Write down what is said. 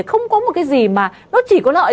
không có một cái gì mà nó chỉ có lợi